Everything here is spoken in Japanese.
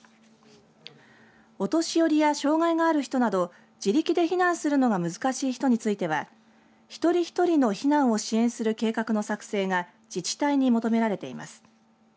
お年寄りや障害がある人などを自力で避難するのが難しい人については一人一人の避難を支援する計画の作成が自治体に求められています。